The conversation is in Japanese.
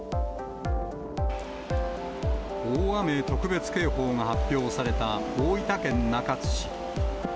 大雨特別警報が発表された大分県中津市。